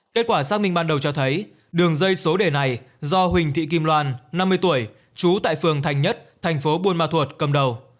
kết quả xác minh ban đầu cho thấy đường dây số đề này do huỳnh thị kim loan năm mươi tuổi trú tại phường thành nhất thành phố buôn ma thuột cầm đầu